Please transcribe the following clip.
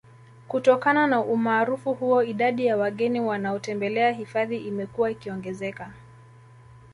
Kutokana na umaarufu huo idadi ya wageni wanaotembelea hifadhi imekuwa ikiongezeka